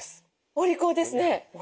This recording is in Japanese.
お利口です。